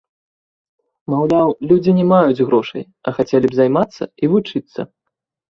Маўляў, людзі не маюць грошай, а хацелі б займацца і вучыцца.